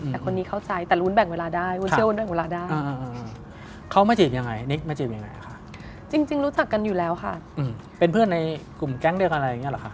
แต่คนนี้เข้าใจแต่วุ้นแบ่งเวลาได้วุ้นเชื่อวุ้นด้วยเวลาได้เขามาจีบยังไงนิกมาจีบยังไงคะจริงรู้จักกันอยู่แล้วค่ะเป็นเพื่อนในกลุ่มแก๊งเดียวกันอะไรอย่างนี้หรอคะ